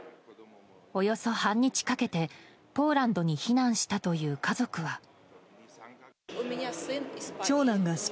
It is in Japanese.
およそ半日かけて、ポーランドに避難したという家族は。